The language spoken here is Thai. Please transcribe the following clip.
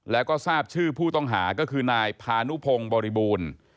แล้วก็ทราบชื่อผู้ต้องหาก็คือนายพานุพงศ์บริบูรณ์